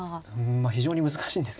非常に難しいんですけどね。